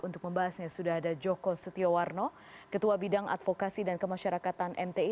untuk membahasnya sudah ada joko setiawarno ketua bidang advokasi dan kemasyarakatan mti